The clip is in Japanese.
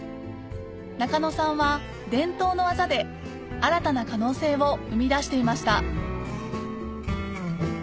中野さんは伝統の技で新たな可能性を生み出していました